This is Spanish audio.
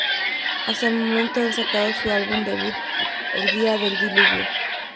Hasta el momento han sacado su álbum debut: El Día del Diluvio.